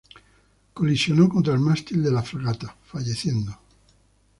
Colisionó contra el mástil de la fragata, falleciendo.